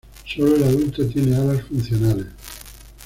Solo el adulto tiene alas funcionales.